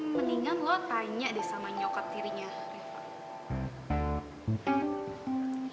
mendingan lo tanya deh sama nyokap dirinya reva